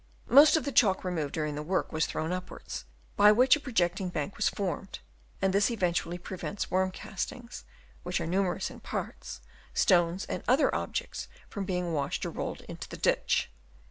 Most of the chalk removed during the work was thrown upwards, by which a projecting bank was formed ; and this effectually prevents worm castings (which are numerous in parts), stones, and other objects from being washed or rolled into the ditch.